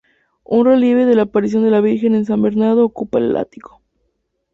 Un relieve de la Aparición de la Virgen a San Bernardo ocupa el ático.